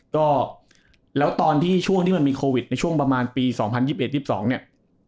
ก็แล้วตอนที่ช่วงที่มันมีโควิดในช่วงประมาณปี๒๐๒๑๒๒เนี่ย